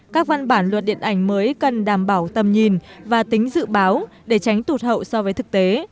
các văn bản luật điện ảnh mới cần đảm bảo tầm nhìn và tính dự báo để tránh tụt hậu so với thực tế